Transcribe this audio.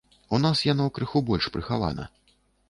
У нас яно крыху больш прыхавана.